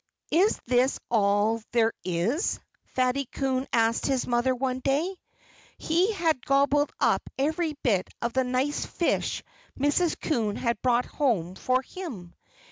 "Is this all there is?" Fatty Coon asked his mother one day. He had gobbled up every bit of the nice fish that Mrs. Coon had brought home for him.